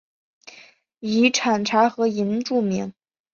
以产茶和银著名。